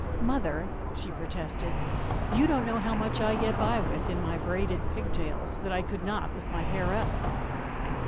"Mother," she protested, "you don't know how much I get by with, in my braided pigtails, that I could not with my hair up."